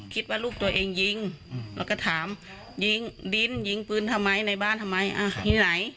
คิดว่าลูกตัวเองยิงแล้วก็ถามยิงดินยิงปืนทำไมในบ้านทำไมอ่ะยิงไหน